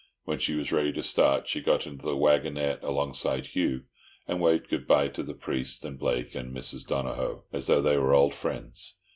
When she was ready to start she got into the waggonette alongside Hugh, and waved good bye to the priest and Blake and Mrs. Donohoe, as though they were old friends.